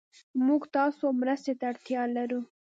موږ تاسو مرستې ته اړتيا لرو